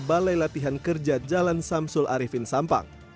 balai latihan kerja jalan samsul arifin sampang